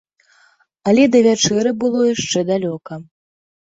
Але да вячэры было яшчэ далёка.